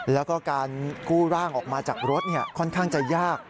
แล้วก็การกู้ร่างออกมาจากรถค่อนข้างจะยาก